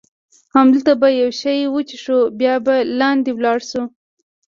همدلته به یو شی وڅښو، بیا به لاندې ولاړ شو.